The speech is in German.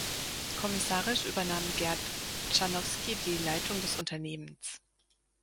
Kommissarisch übernahm Gerd Chrzanowski die Leitung des Unternehmens.